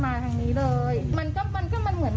กำแพงหมู่บ้านเมื่อกำแพงมันล้มปุ๊บ